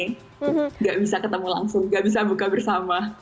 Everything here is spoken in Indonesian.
tidak bisa ketemu langsung nggak bisa buka bersama